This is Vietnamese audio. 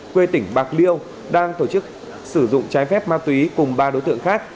quê tỉnh bạc liêu đang tổ chức sử dụng trái phép ma túy cùng ba đối tượng khác